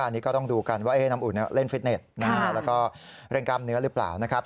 อันนี้ก็ต้องดูกันว่าน้ำอุ่นเล่นฟิตเน็ตแล้วก็เรื่องกล้ามเนื้อหรือเปล่านะครับ